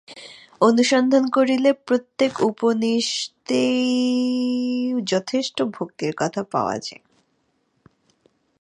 অনুসন্ধান করিলে প্রত্যেক উপনিষদেই যথেষ্ট ভক্তির কথা পাওয়া যায়।